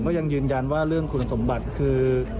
ก็ยังยืนยันว่าเรื่องคุณสมบัติคือ